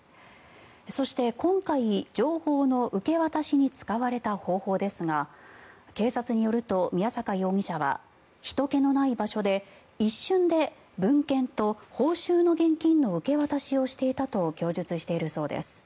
そして、今回情報の受け渡しに使われた方法ですが警察によると宮坂容疑者はひとけのない場所で一瞬で文献と報酬の現金の受け渡しをしていたと供述しているそうです。